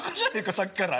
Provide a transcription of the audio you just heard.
さっきからえ？